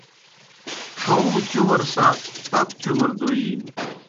ڇھہُوں چُمر سہ تتوْ چُمر دوئینوْ